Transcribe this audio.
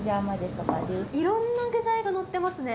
いろんな具材が載ってますね。